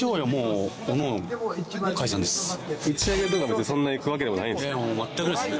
打ち上げとかもそんな行くわけでもないんですか？